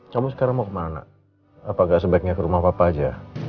kamu sekarang mau kemana apa gak sebaiknya ke rumah papa aja